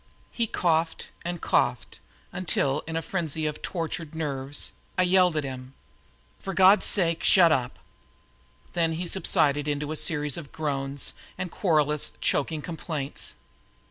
He coughed and coughed until, in a frenzy of tortured nerves, I yelled to him: "For God's sake, shut up!" Then he subsided into a series of groans and querulous, choking complaints.